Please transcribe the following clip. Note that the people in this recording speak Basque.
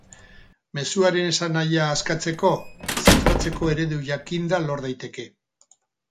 Mezuaren esanahia askatzeko, zifratzeko eredu jakinda lor daiteke.